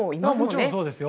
もちろんそうです。